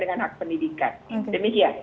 dan hak pendidikan demikian